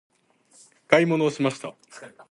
買い物をしました。